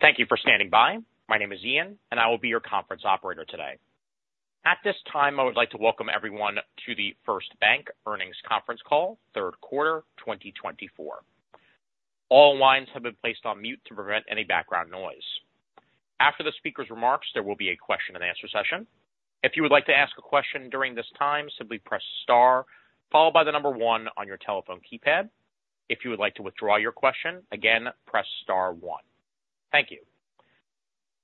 Thank you for standing by. My name is Ian, and I will be your conference operator today. At this time, I would like to welcome everyone to the First Bank Earnings Conference Call, third quarter, 2024. All lines have been placed on mute to prevent any background noise. After the speaker's remarks, there will be a question and answer session. If you would like to ask a question during this time, simply press star, followed by the number one on your telephone keypad. If you would like to withdraw your question, again, press star one. Thank you.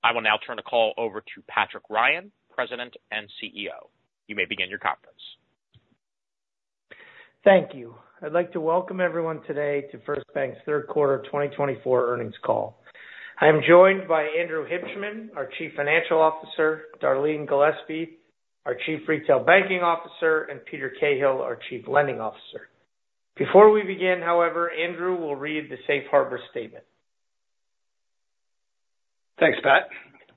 I will now turn the call over to Patrick Ryan, President and CEO. You may begin your conference. Thank you. I'd like to welcome everyone today to First Bank's third quarter of 2024 earnings call. I am joined by Andrew Hibshman, our Chief Financial Officer, Darlene Gillespie, our Chief Retail Banking Officer, and Peter Cahill, our Chief Lending Officer. Before we begin, however, Andrew will read the Safe Harbor statement. Thanks, Pat.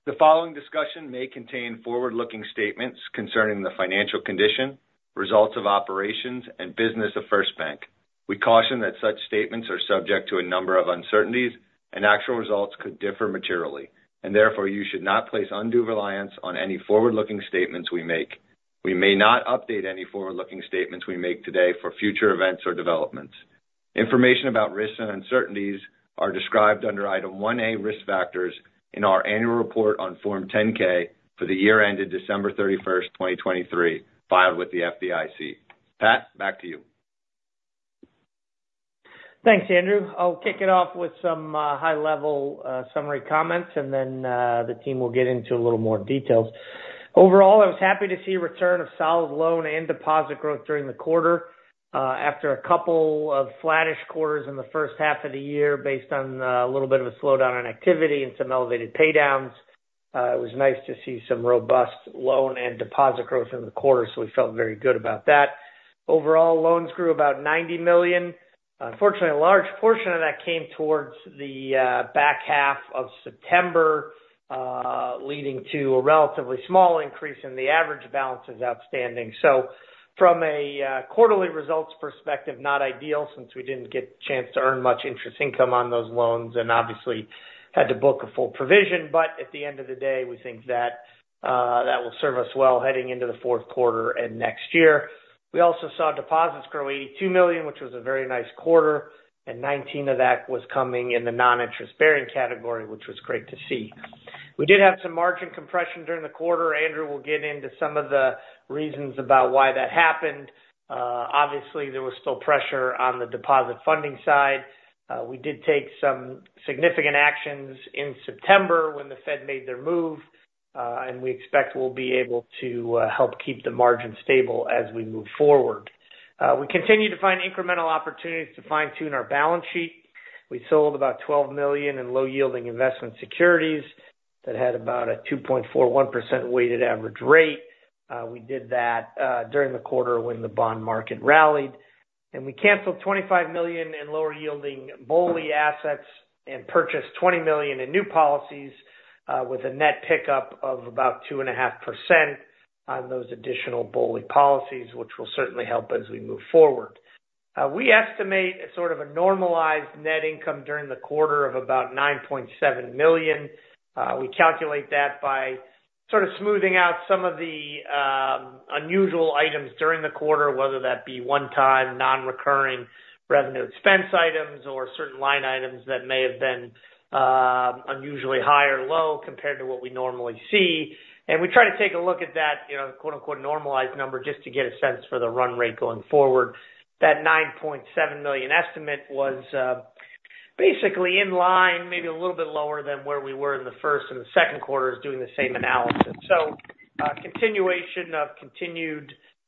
The following discussion may contain forward-looking statements concerning the financial condition, results of operations, and business of First Bank. We caution that such statements are subject to a number of uncertainties, and actual results could differ materially, and therefore you should not place undue reliance on any forward-looking statements we make. We may not update any forward-looking statements we make today for future events or developments. Information about risks and uncertainties are described under Item 1A, Risk Factors in our annual report on Form 10-K for the year ended December 31st, 2023, filed with the FDIC. Pat, back to you. Thanks, Andrew. I'll kick it off with some high-level summary comments, and then the team will get into a little more details. Overall, I was happy to see a return of solid loan and deposit growth during the quarter after a couple of flattish quarters in the first half of the year, based on a little bit of a slowdown in activity and some elevated pay downs. It was nice to see some robust loan and deposit growth in the quarter, so we felt very good about that. Overall, loans grew about $90 million. Unfortunately, a large portion of that came towards the back half of September, leading to a relatively small increase in the average balances outstanding. So from a quarterly results perspective, not ideal, since we didn't get the chance to earn much interest income on those loans and obviously had to book a full provision. But at the end of the day, we think that will serve us well heading into the fourth quarter and next year. We also saw deposits grow $82 million, which was a very nice quarter, and $19 million of that was coming in the non-interest bearing category, which was great to see. We did have some margin compression during the quarter. Andrew will get into some of the reasons about why that happened. Obviously, there was still pressure on the deposit funding side. We did take some significant actions in September when the Fed made their move, and we expect we'll be able to help keep the margin stable as we move forward. We continue to find incremental opportunities to fine-tune our balance sheet. We sold about $12 million in low-yielding investment securities that had about a 2.41% weighted average rate. We did that during the quarter when the bond market rallied, and we canceled $25 million in lower-yielding BOLI assets and purchased $20 million in new policies with a net pickup of about 2.5% on those additional BOLI policies, which will certainly help as we move forward. We estimate a sort of a normalized net income during the quarter of about $9.7 million. We calculate that by sort of smoothing out some of the unusual items during the quarter, whether that be one-time, non-recurring revenue expense items or certain line items that may have been unusually high or low compared to what we normally see. We try to take a look at that, you know, “normalized number,” just to get a sense for the run rate going forward. That $9.7 million estimate was basically in line, maybe a little bit lower than where we were in the first and the second quarters, doing the same analysis, so continuation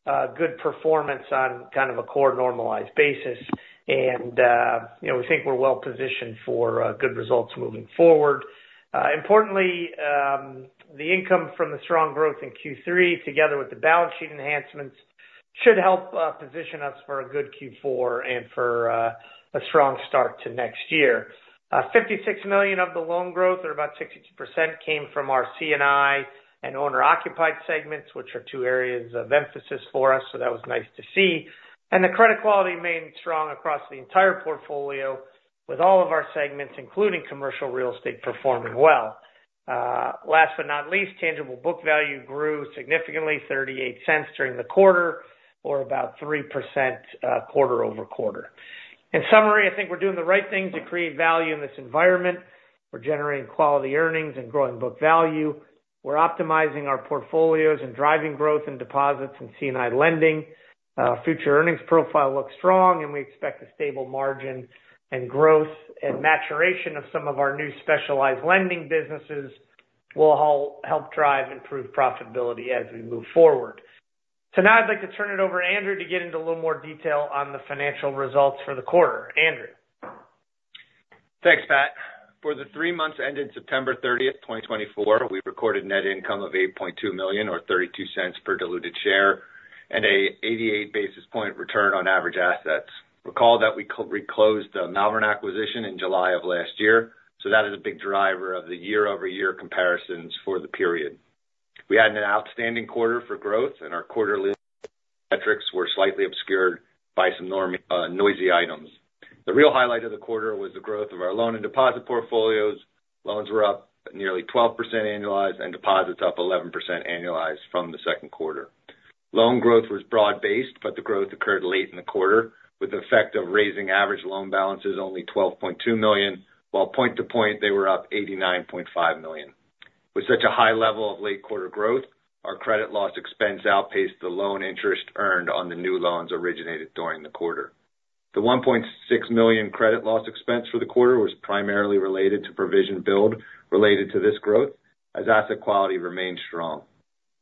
of good performance on kind of a core normalized basis, and, you know, we think we're well positioned for good results moving forward. Importantly, the income from the strong growth in Q3, together with the balance sheet enhancements, should help position us for a good Q4 and for a strong start to next year. $56 million of the loan growth, or about 62%, came from our C&I and owner-occupied segments, which are two areas of emphasis for us, so that was nice to see. The credit quality remained strong across the entire portfolio, with all of our segments, including commercial real estate, performing well. Last but not least, tangible book value grew significantly, $0.38 during the quarter, or about 3%, quarter-over-quarter. In summary, I think we're doing the right thing to create value in this environment. We're generating quality earnings and growing book value. We're optimizing our portfolios and driving growth in deposits and C&I lending. Future earnings profile looks strong, and we expect a stable margin and growth and maturation of some of our new specialized lending businesses will help drive improved profitability as we move forward. So now I'd like to turn it over to Andrew to get into a little more detail on the financial results for the quarter. Andrew? Thanks, Pat. For the three months ending September 30th, 2024, we recorded net income of $8.2 million, or $0.32 per diluted share, and an 88 basis point return on average assets. Recall that we closed the Malvern acquisition in July of last year, so that is a big driver of the year-over-year comparisons for the period. We had an outstanding quarter for growth, and our quarterly metrics were slightly obscured by some nor—, noisy items. The real highlight of the quarter was the growth of our loan and deposit portfolios. Loans were up nearly 12% annualized, and deposits up 11% annualized from the second quarter. Loan growth was broad-based, but the growth occurred late in the quarter, with the effect of raising average loan balances only $12.2 million, while point to point they were up $89.5 million. With such a high level of late quarter growth, our credit loss expense outpaced the loan interest earned on the new loans originated during the quarter. The $1.6 million credit loss expense for the quarter was primarily related to provision build related to this growth, as asset quality remained strong.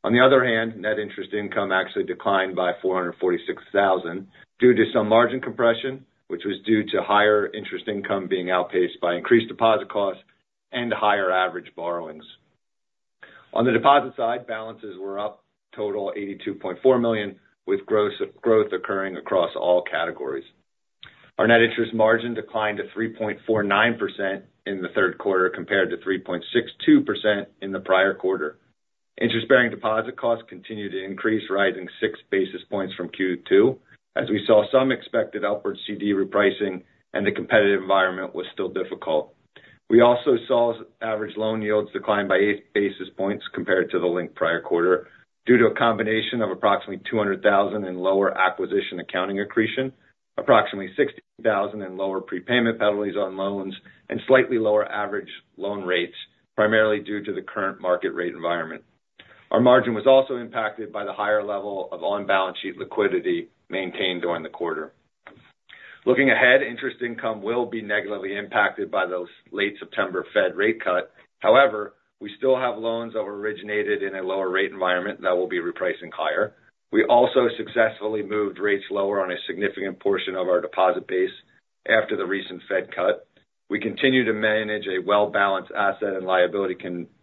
On the other hand, net interest income actually declined by $446,000 due to some margin compression, which was due to higher interest income being outpaced by increased deposit costs and higher average borrowings. On the deposit side, balances were up total $82.4 million, with gross— growth occurring across all categories. Our net interest margin declined to 3.49% in the third quarter, compared to 3.62% in the prior quarter. Interest-bearing deposit costs continued to increase, rising 6 basis points from Q2, as we saw some expected upward CD repricing and the competitive environment was still difficult. We also saw average loan yields decline by 8 basis points compared to the linked prior quarter, due to a combination of approximately $200,000 in lower acquisition accounting accretion, approximately $60,000 in lower prepayment penalties on loans, and slightly lower average loan rates, primarily due to the current market rate environment. Our margin was also impacted by the higher level of on-balance sheet liquidity maintained during the quarter. Looking ahead, interest income will be negatively impacted by those late September Fed rate cut. However, we still have loans that were originated in a lower rate environment that will be repricing higher. We also successfully moved rates lower on a significant portion of our deposit base after the recent Fed cut. We continue to manage a well-balanced asset and liability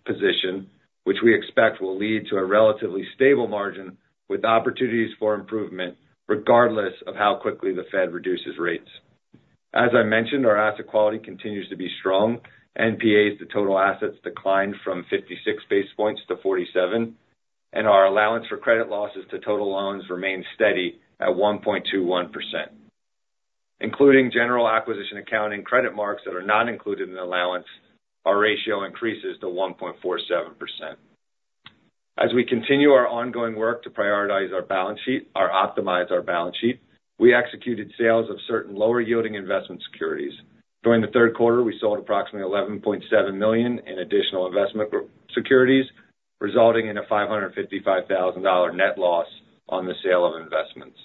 position, which we expect will lead to a relatively stable margin with opportunities for improvement, regardless of how quickly the Fed reduces rates. As I mentioned, our asset quality continues to be strong. NPAs to total assets declined from 56 basis points to 47, and our allowance for credit losses to total loans remained steady at 1.21%. Including general acquisition accounting credit marks that are not included in the allowance, our ratio increases to 1.47%. As we continue our ongoing work to prioritize our balance sheet or optimize our balance sheet, we executed sales of certain lower-yielding investment securities. During the third quarter, we sold approximately $11.7 million in additional investment securities, resulting in a $555,000 net loss on the sale of investments.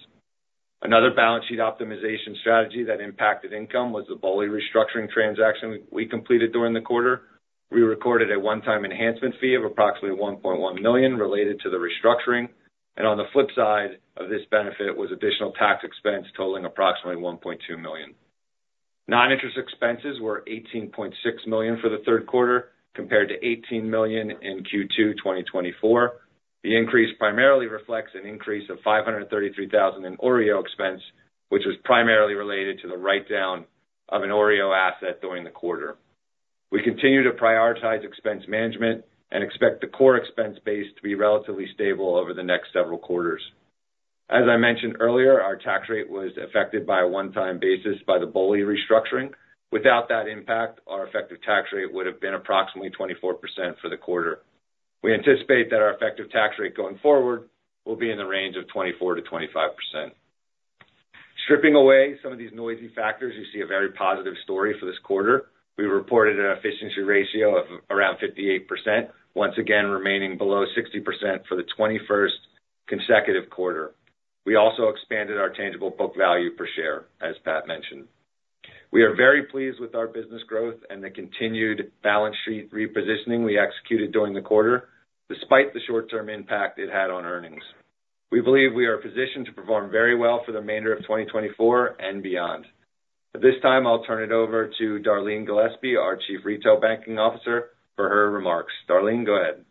Another balance sheet optimization strategy that impacted income was the BOLI restructuring transaction we completed during the quarter. We recorded a one-time enhancement fee of approximately $1.1 million related to the restructuring, and on the flip side of this benefit was additional tax expense totaling approximately $1.2 million. Non-interest expenses were $18.6 million for the third quarter, compared to $18 million in Q2 2024. The increase primarily reflects an increase of $533,000 in OREO expense, which was primarily related to the write-down of an OREO asset during the quarter. We continue to prioritize expense management and expect the core expense base to be relatively stable over the next several quarters. As I mentioned earlier, our tax rate was affected by a one-time basis by the BOLI restructuring. Without that impact, our effective tax rate would have been approximately 24% for the quarter. We anticipate that our effective tax rate going forward will be in the range of 24%-25%. Stripping away some of these noisy factors, you see a very positive story for this quarter. We reported an efficiency ratio of around 58%, once again remaining below 60% for the 21st consecutive quarter. We also expanded our tangible book value per share, as Pat mentioned. We are very pleased with our business growth and the continued balance sheet repositioning we executed during the quarter, despite the short-term impact it had on earnings. We believe we are positioned to perform very well for the remainder of 2024 and beyond. At this time, I'll turn it over to Darlene Gillespie, our Chief Retail Banking Officer, for her remarks. Darlene, go ahead.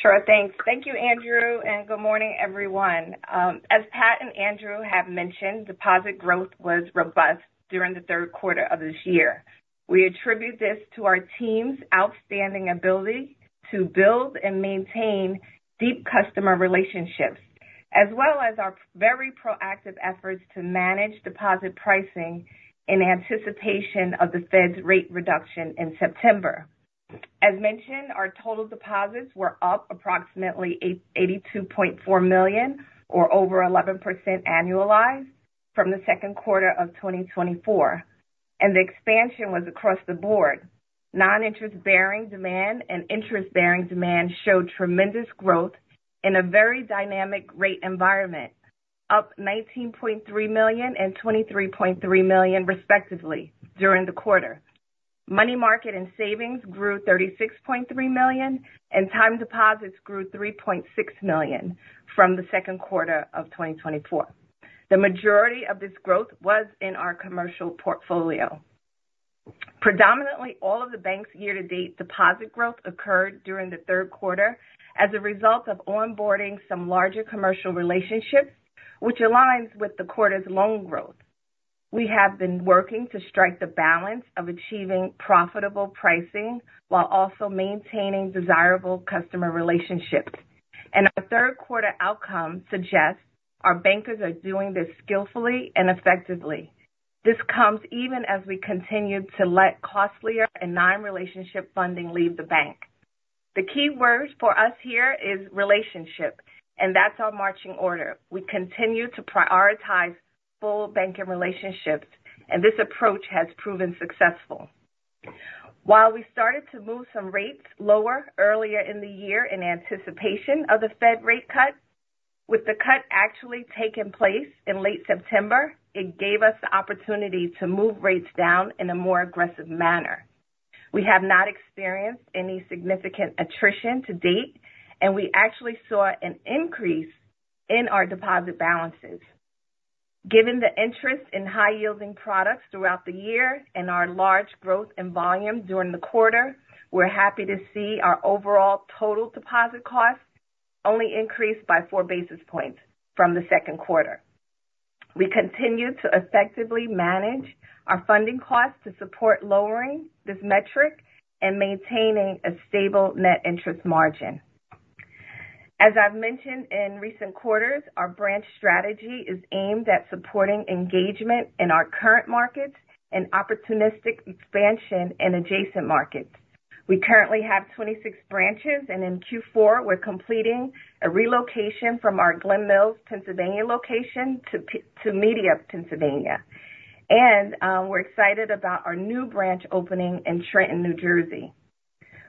Sure, thanks. Thank you, Andrew, and good morning, everyone. As Pat and Andrew have mentioned, deposit growth was robust during the third quarter of this year. We attribute this to our team's outstanding ability to build and maintain deep customer relationships, as well as our very proactive efforts to manage deposit pricing in anticipation of the Fed's rate reduction in September. As mentioned, our total deposits were up approximately $82.4 million, or over 11% annualized, from the second quarter of 2024, and the expansion was across the board. Non-interest-bearing demand and interest-bearing demand showed tremendous growth in a very dynamic rate environment, up $19.3 million and $23.3 million, respectively, during the quarter. Money market and savings grew $36.3 million, and time deposits grew $3.6 million from the second quarter of 2024. The majority of this growth was in our commercial portfolio. Predominantly, all of the bank's year-to-date deposit growth occurred during the third quarter as a result of onboarding some larger commercial relationships, which aligns with the quarter's loan growth. We have been working to strike the balance of achieving profitable pricing while also maintaining desirable customer relationships, and our third quarter outcome suggests our bankers are doing this skillfully and effectively. This comes even as we continue to let costlier and non-relationship funding leave the bank. The key word for us here is relationship, and that's our marching order. We continue to prioritize full banking relationships, and this approach has proven successful. While we started to move some rates lower earlier in the year in anticipation of the Fed rate cut, with the cut actually taking place in late September, it gave us the opportunity to move rates down in a more aggressive manner. We have not experienced any significant attrition to date, and we actually saw an increase in our deposit balances. Given the interest in high-yielding products throughout the year and our large growth in volume during the quarter, we're happy to see our overall total deposit costs only increase by four basis points from the second quarter. We continue to effectively manage our funding costs to support lowering this metric and maintaining a stable net interest margin. As I've mentioned in recent quarters, our branch strategy is aimed at supporting engagement in our current markets and opportunistic expansion in adjacent markets. We currently have 26 branches, and in Q4, we're completing a relocation from our Glen Mills, Pennsylvania, location to Media, Pennsylvania, and we're excited about our new branch opening in Trenton, New Jersey.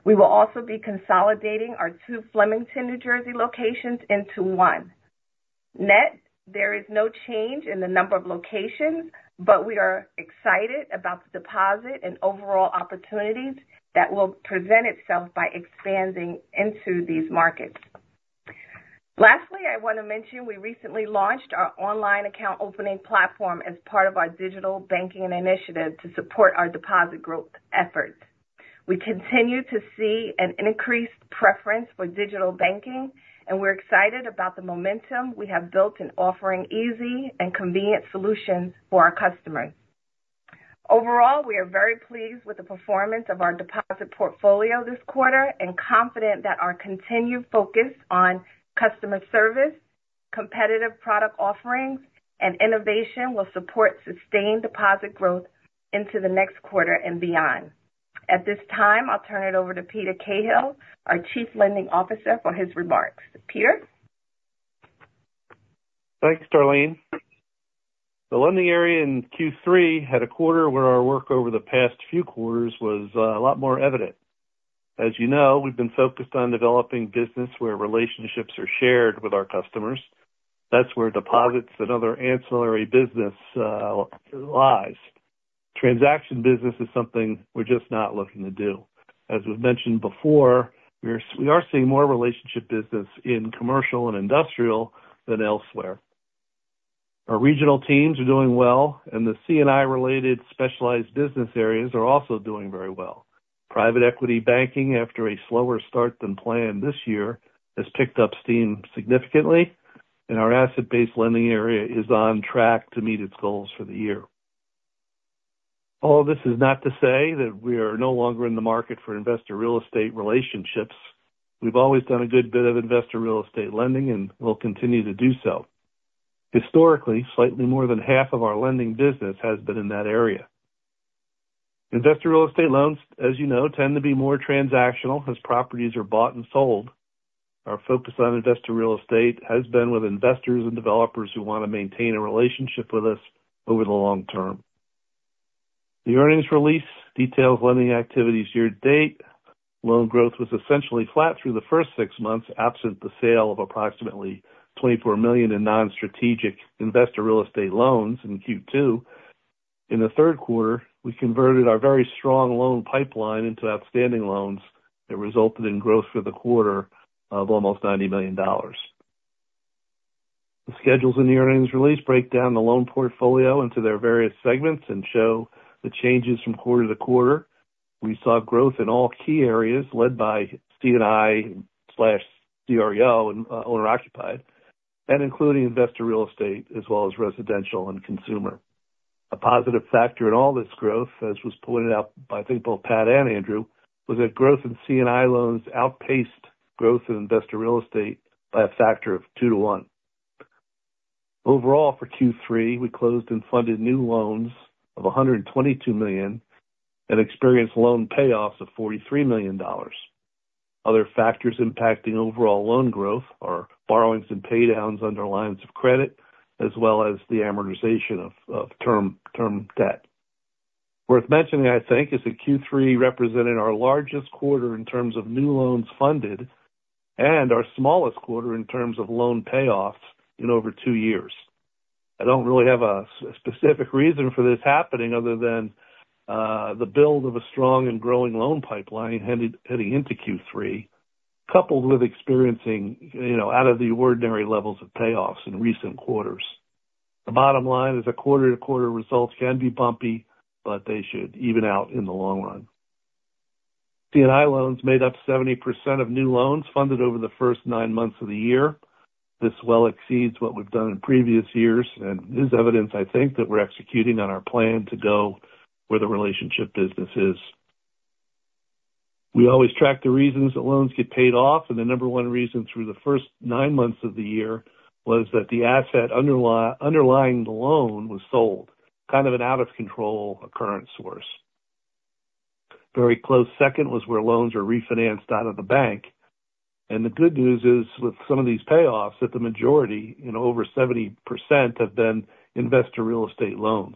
We will also be consolidating our two Flemington, New Jersey, locations into one. Net, there is no change in the number of locations, but we are excited about the deposit and overall opportunities that will present itself by expanding into these markets. Lastly, I want to mention we recently launched our online account opening platform as part of our digital banking initiative to support our deposit growth efforts. We continue to see an increased preference for digital banking, and we're excited about the momentum we have built in offering easy and convenient solutions for our customers. Overall, we are very pleased with the performance of our deposit portfolio this quarter and confident that our continued focus on customer service, competitive product offerings, and innovation will support sustained deposit growth into the next quarter and beyond. At this time, I'll turn it over to Peter Cahill, our Chief Lending Officer, for his remarks. Peter? Thanks, Darlene. The lending area in Q3 had a quarter where our work over the past few quarters was a lot more evident. As you know, we've been focused on developing business where relationships are shared with our customers. That's where deposits and other ancillary business lies. Transaction business is something we're just not looking to do. As we've mentioned before, we are seeing more relationship business in commercial and industrial than elsewhere. Our regional teams are doing well, and the C&I-related specialized business areas are also doing very well. Private equity banking, after a slower start than planned this year, has picked up steam significantly, and our asset-based lending area is on track to meet its goals for the year. All this is not to say that we are no longer in the market for investor real estate relationships. We've always done a good bit of investor real estate lending and will continue to do so. Historically, slightly more than half of our lending business has been in that area. Investor real estate loans, as you know, tend to be more transactional as properties are bought and sold. Our focus on investor real estate has been with investors and developers who want to maintain a relationship with us over the long term. The earnings release details lending activities year-to-date. Loan growth was essentially flat through the first six months, absent the sale of approximately $24 million in non-strategic investor real estate loans in Q2. In the third quarter, we converted our very strong loan pipeline into outstanding loans that resulted in growth for the quarter of almost $90 million. The schedules in the earnings release break down the loan portfolio into their various segments and show the changes from quarter-to-quarter. We saw growth in all key areas, led by C&I/OREO and owner-occupied, and including investor real estate, as well as residential and consumer. A positive factor in all this growth, as was pointed out by, I think, both Pat and Andrew, was that growth in C&I loans outpaced growth in investor real estate by a factor of two to one. Overall, for Q3, we closed and funded new loans of $122 million and experienced loan payoffs of $43 million. Other factors impacting overall loan growth are borrowings and paydowns under lines of credit, as well as the amortization of term debt. Worth mentioning, I think, is that Q3 represented our largest quarter in terms of new loans funded and our smallest quarter in terms of loan payoffs in over two years. I don't really have a specific reason for this happening other than the build of a strong and growing loan pipeline heading into Q3, coupled with experiencing, you know, out of the ordinary levels of payoffs in recent quarters. The bottom line is that quarter-to-quarter results can be bumpy, but they should even out in the long run. C&I loans made up 70% of new loans funded over the first nine months of the year. This well exceeds what we've done in previous years, and is evidence, I think, that we're executing on our plan to go where the relationship business is. We always track the reasons that loans get paid off, and the number one reason through the first nine months of the year was that the asset underlying the loan was sold, kind of an out-of-control occurrence source. Very close second was where loans are refinanced out of the bank. And the good news is, with some of these payoffs, that the majority, you know, over 70% have been investor real estate loans.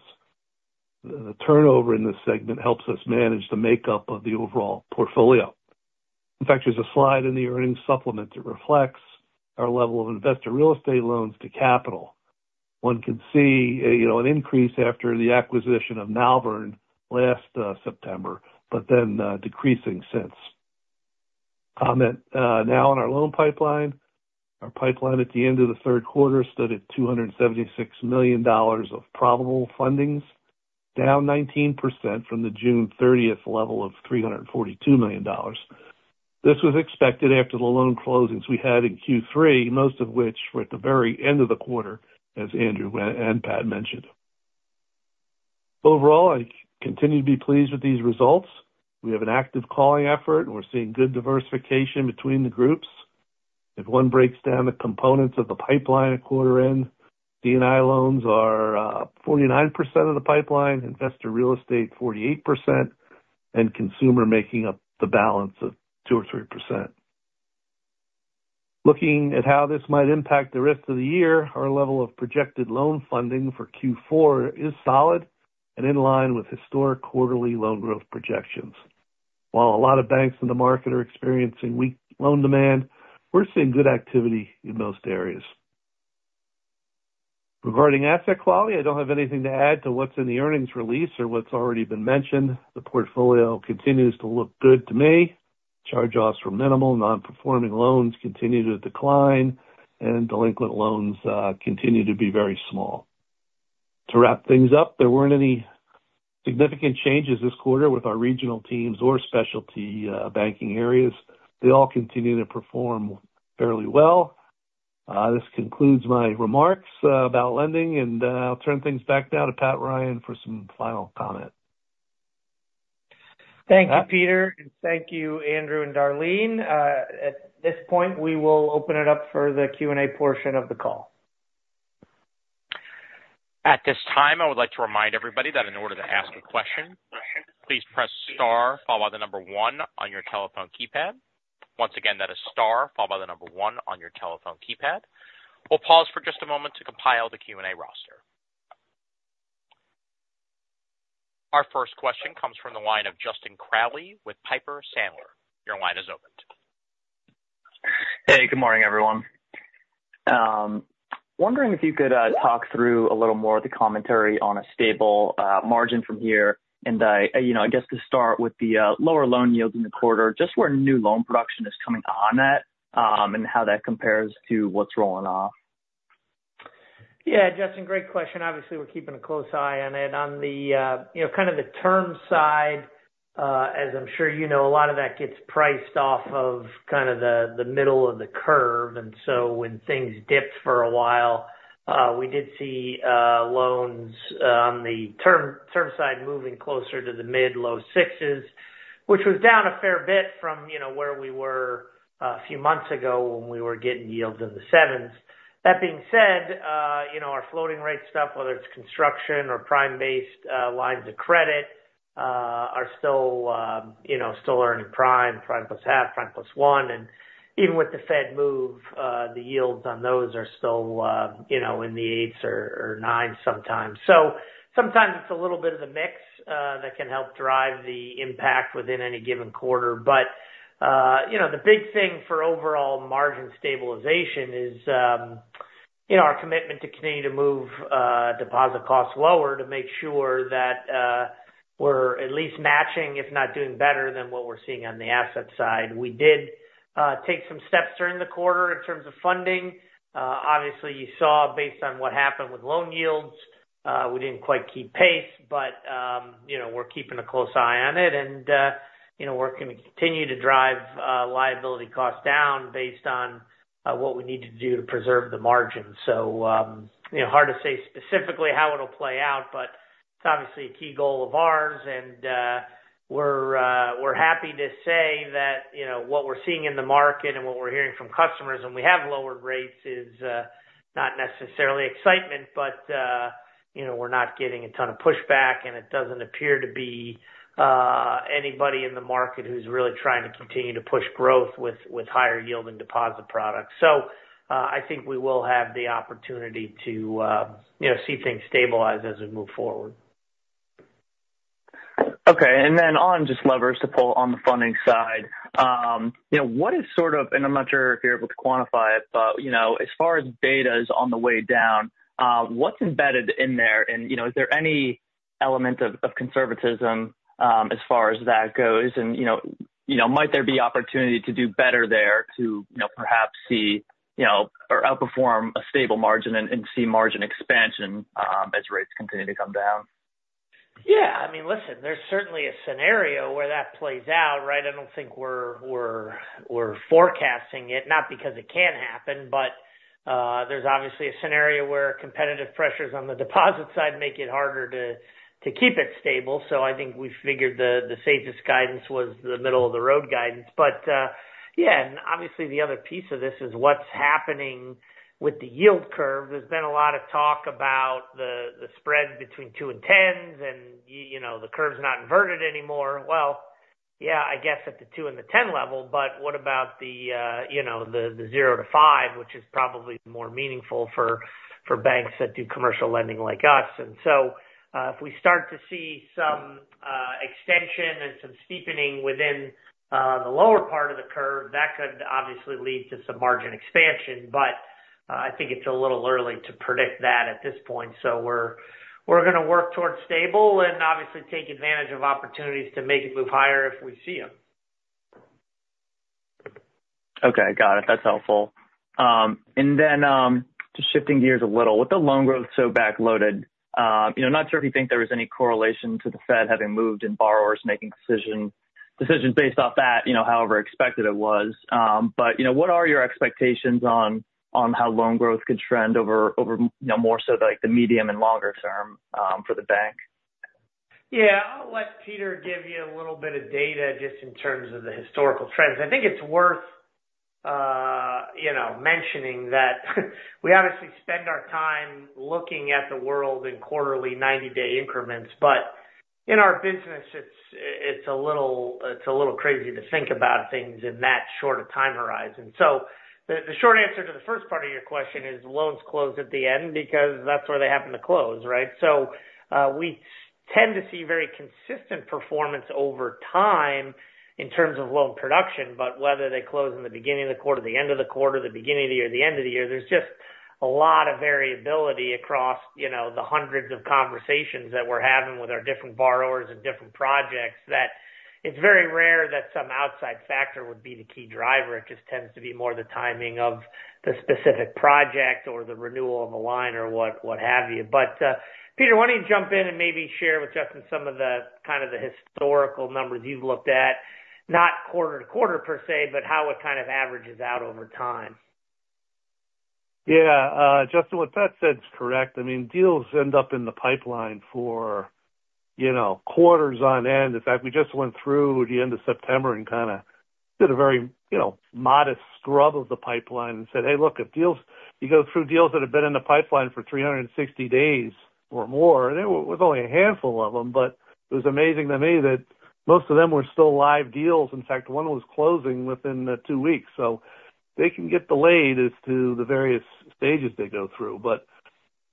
The turnover in this segment helps us manage the makeup of the overall portfolio. In fact, there's a slide in the earnings supplement that reflects our level of investor real estate loans to capital. One can see, you know, an increase after the acquisition of Malvern last September, but then decreasing since. Commenting now on our loan pipeline. Our pipeline at the end of the third quarter stood at $276 million of probable fundings, down 19% from the June 30th level of $342 million. This was expected after the loan closings we had in Q3, most of which were at the very end of the quarter, as Andrew and Pat mentioned. Overall, I continue to be pleased with these results. We have an active calling effort, and we're seeing good diversification between the groups. If one breaks down the components of the pipeline at quarter end, C&I loans are 49% of the pipeline, investor real estate 48%, and consumer making up the balance of 2% or 3%. Looking at how this might impact the rest of the year, our level of projected loan funding for Q4 is solid and in line with historic quarterly loan growth projections. While a lot of banks in the market are experiencing weak loan demand, we're seeing good activity in most areas. Regarding asset quality, I don't have anything to add to what's in the earnings release or what's already been mentioned. The portfolio continues to look good to me. Charge-offs were minimal, non-performing loans continue to decline, and delinquent loans continue to be very small. To wrap things up, there weren't any significant changes this quarter with our regional teams or specialty banking areas. They all continue to perform fairly well. This concludes my remarks about lending, and I'll turn things back now to Pat Ryan for some final comment. Thank you, Peter, and thank you, Andrew and Darlene. At this point, we will open it up for the Q&A portion of the call. At this time, I would like to remind everybody that in order to ask a question, please press star, followed by the number one on your telephone keypad. Once again, that is star, followed by the number one on your telephone keypad. We'll pause for just a moment to compile the Q&A roster. Our first question comes from the line of Justin Crowley with Piper Sandler. Your line is open. Hey, good morning, everyone. Wondering if you could talk through a little more of the commentary on a stable margin from here, and, you know, I guess to start with the lower loan yields in the quarter, just where new loan production is coming on at, and how that compares to what's rolling off? Yeah, Justin, great question. Obviously, we're keeping a close eye on it. On the, you know, kind of the term side, as I'm sure you know, a lot of that gets priced off of kind of the middle of the curve, and so when things dipped for a while, we did see loans on the term side moving closer to the mid-low sixes. Which was down a fair bit from, you know, where we were a few months ago when we were getting yields in the sevens. That being said, you know, our floating rate stuff, whether it's construction or prime-based lines of credit, are still, you know, still earning prime, prime plus half, prime plus one. And even with the Fed move, the yields on those are still, you know, in the eights or nines sometimes. So sometimes it's a little bit of the mix that can help drive the impact within any given quarter. But, you know, the big thing for overall margin stabilization is, you know, our commitment to continue to move deposit costs lower to make sure that we're at least matching, if not doing better than what we're seeing on the asset side. We did take some steps during the quarter in terms of funding. Obviously, you saw, based on what happened with loan yields, we didn't quite keep pace, but, you know, we're keeping a close eye on it and, you know, we're going to continue to drive liability costs down based on what we need to do to preserve the margin, so you know, hard to say specifically how it'll play out, but it's obviously a key goal of ours and, we're happy to say that, you know, what we're seeing in the market and what we're hearing from customers, and we have lowered rates, is not necessarily excitement, but, you know, we're not getting a ton of pushback, and it doesn't appear to be anybody in the market who's really trying to continue to push growth with higher yielding deposit products. I think we will have the opportunity to, you know, see things stabilize as we move forward. Okay. And then on just levers to pull on the funding side, you know, what is sort of... and I'm not sure if you're able to quantify it, but, you know, as far as beta is on the way down, what's embedded in there? And, you know, is there any element of conservatism, as far as that goes? And, you know, might there be opportunity to do better there to, you know, perhaps see, you know, or outperform a stable margin and see margin expansion, as rates continue to come down? Yeah. I mean, listen, there's certainly a scenario where that plays out, right? I don't think we're forecasting it, not because it can't happen, but, uh, there's obviously a scenario where competitive pressures on the deposit side make it harder to keep it stable. So I think we figured the safest guidance was the middle of the road guidance. But, uh, yeah, and obviously the other piece of this is what's happening with the yield curve. There's been a lot of talk about the spread between two and 10s, and you know, the curve's not inverted anymore. Well, yeah, I guess at the two and the 10 level, but what about the, uh, you know, the zero to five, which is probably more meaningful for banks that do commercial lending like us? And so, if we start to see some extension and some steepening within the lower part of the curve, that could obviously lead to some margin expansion. But, I think it's a little early to predict that at this point. So we're gonna work towards stable and obviously take advantage of opportunities to make it move higher if we see them. Okay, got it. That's helpful, and then, just shifting gears a little. With the loan growth so backloaded, you know, not sure if you think there was any correlation to the Fed having moved and borrowers making decision, this isn't based off that, you know, however expected it was, but, you know, what are your expectations on how loan growth could trend over, you know, more so like the medium and longer term, for the bank? Yeah. I'll let Peter give you a little bit of data just in terms of the historical trends. I think it's worth, you know, mentioning that we obviously spend our time looking at the world in quarterly 90-day increments, but in our business, it's a little crazy to think about things in that short a time horizon. So the short answer to the first part of your question is, loans close at the end because that's where they happen to close, right? So, we tend to see very consistent performance over time in terms of loan production, but whether they close in the beginning of the quarter, the end of the quarter, the beginning of the year, the end of the year, there's just a lot of variability across, you know, the hundreds of conversations that we're having with our different borrowers and different projects, that it's very rare that some outside factor would be the key driver. It just tends to be more the timing of the specific project or the renewal of the line or what have you. But, Peter, why don't you jump in and maybe share with Justin some of the, kind of the historical numbers you've looked at? Not quarter-to-quarter per se, but how it kind of averages out over time. Yeah, Justin, what Pat said is correct. I mean, deals end up in the pipeline for, you know, quarters on end. In fact, we just went through the end of September and kinda did a very, you know, modest scrub of the pipeline and said, "Hey, look, if deals--" You go through deals that have been in the pipeline for 360 days or more, and there was only a handful of them, but it was amazing to me that most of them were still live deals. In fact, one was closing within two weeks. So they can get delayed as to the various stages they go through. But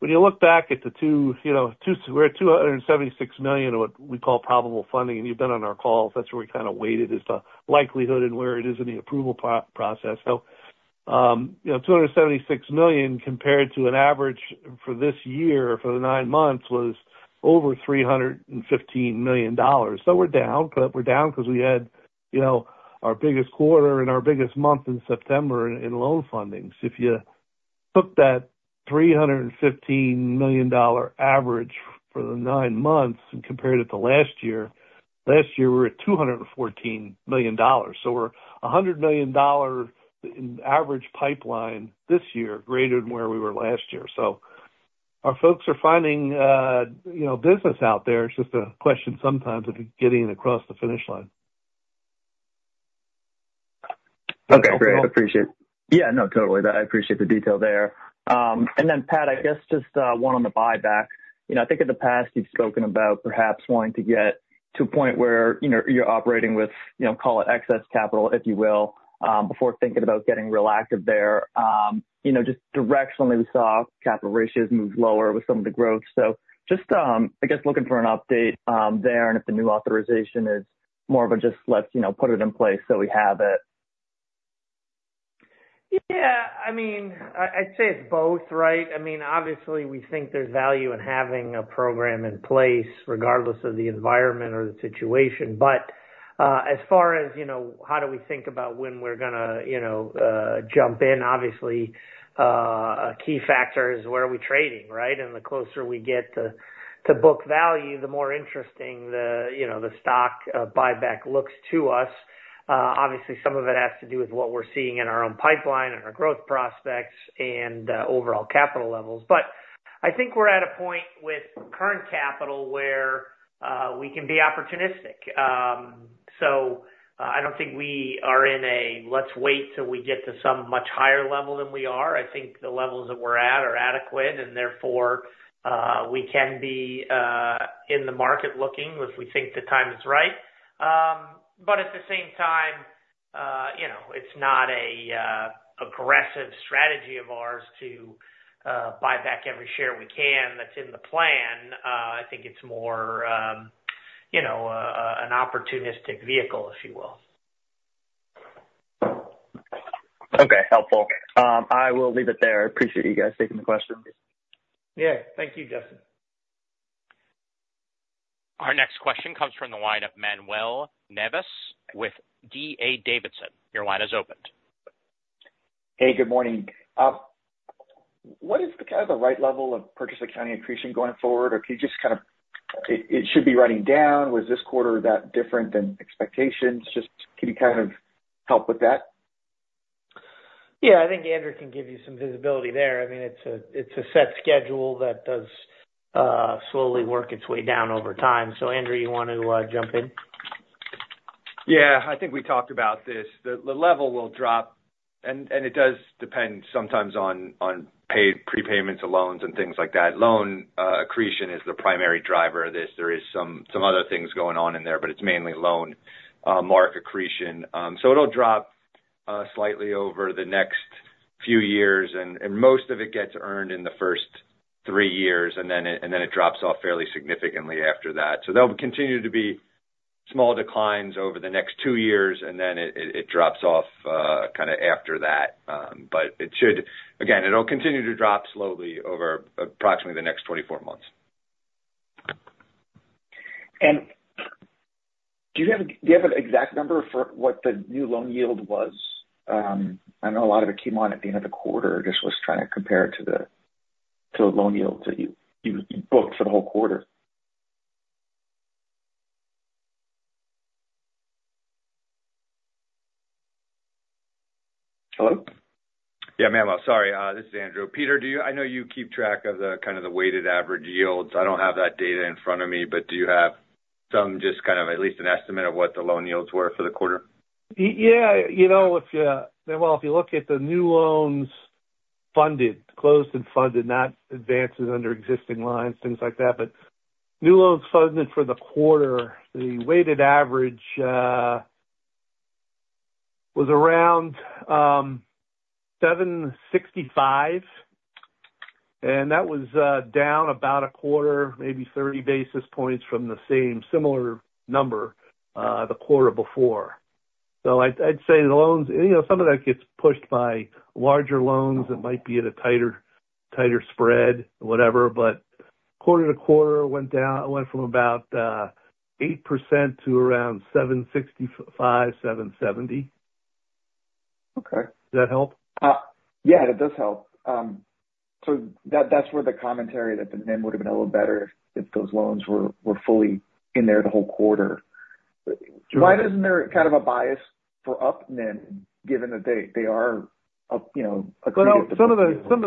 when you look back at the two, you know, we're at $276 million, what we call probable funding, and you've been on our calls, that's where we kind of weighted as to likelihood and where it is in the approval process. So, you know, $276 million compared to an average for this year, for the nine months, was over $315 million. So we're down, but we're down because we had, you know, our biggest quarter and our biggest month in September in loan fundings. If you took that $315 million average for the nine months and compared it to last year, last year we were at $214 million. So we're $100 million in average pipeline this year, greater than where we were last year. So our folks are finding, you know, business out there. It's just a question sometimes of it getting across the finish line. Okay, great. I appreciate—yeah, no, totally. I appreciate the detail there. And then, Pat, I guess just one on the buyback. You know, I think in the past you've spoken about perhaps wanting to get to a point where, you know, you're operating with, you know, call it excess capital, if you will, before thinking about getting real active there. You know, just directionally, we saw capital ratios move lower with some of the growth. So just, I guess looking for an update there, and if the new authorization is more of a just, let's, you know, put it in place, so we have it. Yeah, I mean, I'd say it's both, right? I mean, obviously, we think there's value in having a program in place, regardless of the environment or the situation. But, as far as, you know, how do we think about when we're gonna, you know, jump in, obviously, a key factor is where are we trading, right? And the closer we get to book value, the more interesting the, you know, the stock buyback looks to us. Obviously, some of it has to do with what we're seeing in our own pipeline and our growth prospects and overall capital levels. But I think we're at a point with current capital where we can be opportunistic. So, I don't think we are in a, "Let's wait till we get to some much higher level than we are." I think the levels that we're at are adequate, and therefore, we can be in the market looking if we think the time is right. But at the same time, you know, it's not an aggressive strategy of ours to buy back every share we can that's in the plan. I think it's more, you know, an opportunistic vehicle, if you will. Okay, helpful. I will leave it there. I appreciate you guys taking the question. Yeah. Thank you, Justin. Our next question comes from the line of Manuel Navas with D.A. Davidson. Your line is open. Hey, good morning. What is kind of the right level of purchase accounting accretion going forward? Or can you just kind of, it should be running down. Was this quarter that different than expectations? Just, can you kind of help with that? Yeah, I think Andrew can give you some visibility there. I mean, it's a set schedule that does slowly work its way down over time. So Andrew, you want to jump in? Yeah, I think we talked about this. The level will drop, and it does depend sometimes on prepayments of loans and things like that. Loan accretion is the primary driver of this. There is some other things going on in there, but it's mainly loan mark accretion. So it'll drop slightly over the next few years, and most of it gets earned in the first three years, and then it drops off fairly significantly after that. So there'll continue to be small declines over the next two years, and then it drops off kind of after that. But it should... again, it'll continue to drop slowly over approximately the next 24 months. Do you have an exact number for what the new loan yield was? I know a lot of it came on at the end of the quarter. I just was trying to compare it to the loan yields that you booked for the whole quarter. Hello? Yeah, Manuel, sorry, this is Andrew. Peter, do you, I know you keep track of the kind of the weighted average yields. I don't have that data in front of me, but do you have some, just kind of at least an estimate of what the loan yields were for the quarter? Yeah. You know, if, Manuel, if you look at the new loans funded, closed and funded, not advances under existing lines, things like that, but new loans funded for the quarter, the weighted average was around 7.65, and that was down about a quarter, maybe 30 basis points from the same similar number the quarter before. So I'd say the loans, you know, some of that gets pushed by larger loans that might be at a tighter tighter spread, whatever, but quarter-to-quarter went down, it went from about 8% to around 7.65, 7.70. Okay. Does that help? Yeah, that does help. So that, that's where the commentary that the NIM would've been a little better if those loans were fully in there the whole quarter. Sure. Why isn't there kind of a bias for up NIM, given that they are up, you know, accretive? Some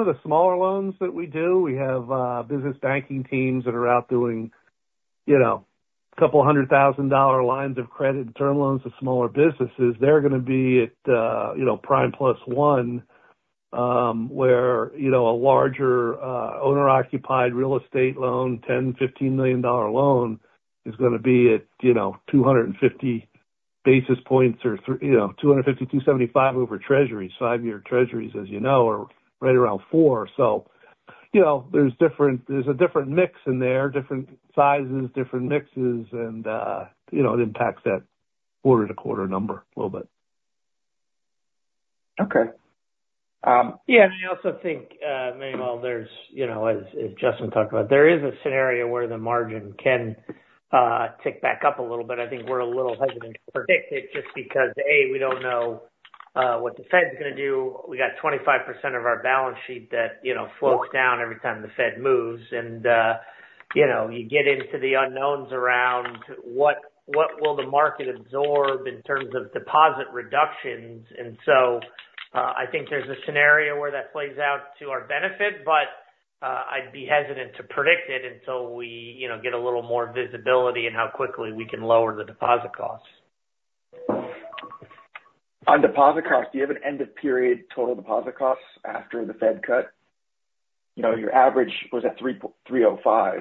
of the smaller loans that we do, we have business banking teams that are out doing, you know, a couple of hundred thousand dollar lines of credit and term loans to smaller businesses. They're gonna be at, you know, prime plus one, where, you know, a larger owner-occupied real estate loan, $10 million, $15 million loan is gonna be at, you know, 250 basis points or you know, 250, 275 over treasuries. Five-year Treasuries, as you know, are right around four. So, you know, there's a different mix in there, different sizes, different mixes, and, you know, it impacts that quarter-to-quarter number a little bit. Okay. Um- Yeah, I also think, Manuel, there's, you know, as Justin talked about, there is a scenario where the margin can, tick back up a little bit. I think we're a little hesitant to predict it just because, A, we don't know, what the Fed's gonna do. We got 25% of our balance sheet that, you know, floats down every time the Fed moves, and, you know, you get into the unknowns around what will the market absorb in terms of deposit reductions? And so, I think there's a scenario where that plays out to our benefit, but, I'd be hesitant to predict it until we, you know, get a little more visibility in how quickly we can lower the deposit costs. On deposit costs, do you have an end-of-period total deposit costs after the Fed cut? You know, your average was at 305.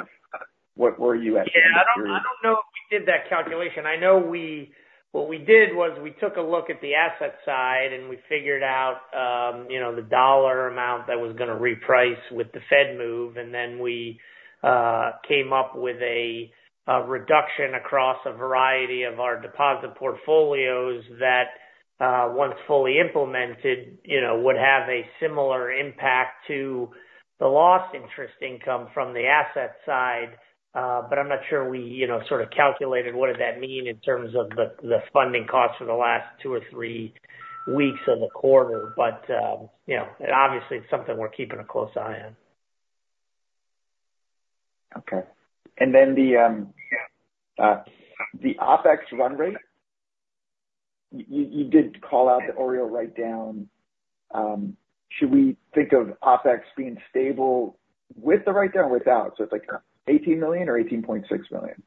What were you at the end of the period? Yeah, I don't know if we did that calculation. I know what we did was we took a look at the asset side, and we figured out, you know, the dollar amount that was gonna reprice with the Fed move, and then we came up with a reduction across a variety of our deposit portfolios that, once fully implemented, you know, would have a similar impact to the lost interest income from the asset side. But I'm not sure we, you know, sort of calculated what did that mean in terms of the funding costs for the last two or three weeks of the quarter. But, you know, and obviously, it's something we're keeping a close eye on. Okay. And then the OpEx run rate, you did call out the OREO write-down. Should we think of OpEx being stable with the write-down or without? So it's like $18 million or $18.6 million?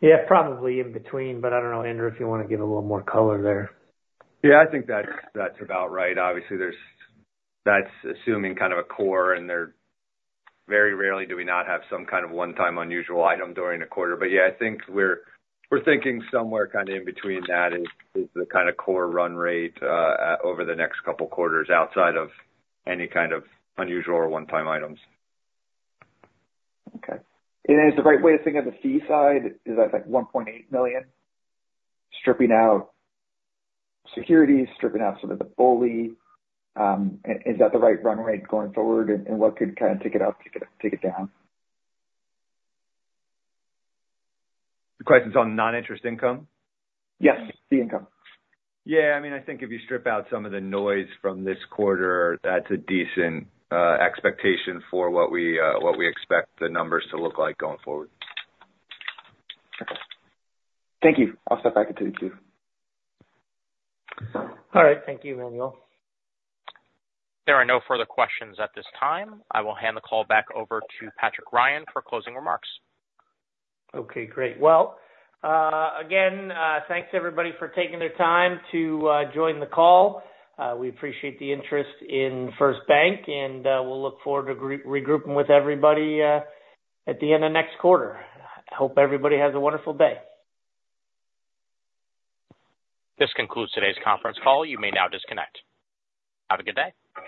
Yeah, probably in between, but I don't know, Andrew, if you wanna give a little more color there. Yeah, I think that's, that's about right. Obviously, that's assuming kind of a core. Very rarely do we not have some kind of one-time unusual item during the quarter. But yeah, I think we're, we're thinking somewhere kind of in between that is, is the kind of core run rate over the next couple quarters, outside of any kind of unusual or one-time items. Okay. And is the right way to think of the fee side is that, like, $1.8 million, stripping out securities, stripping out some of the BOLI? Is that the right run rate going forward, and what could kind of take it up, take it down? The question is on non-interest income? Yes, fee incomes. Yeah, I mean, I think if you strip out some of the noise from this quarter, that's a decent expectation for what we expect the numbers to look like going forward. Okay. Thank you. I'll step back into the queue. All right, thank you, Manuel. There are no further questions at this time. I will hand the call back over to Patrick Ryan for closing remarks. Okay, great. Well, again, thanks, everybody, for taking the time to join the call. We appreciate the interest in First Bank, and we'll look forward to regrouping with everybody at the end of next quarter. Hope everybody has a wonderful day. This concludes today's conference call. You may now disconnect. Have a good day!